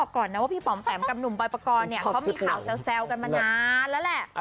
กับหนุ่มบอยปกรเขามีข่าวแซวกันมานานแล้วแหละ